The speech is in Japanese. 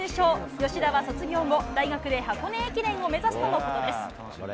吉田は卒業後、大学で箱根駅伝を目指すとのことです。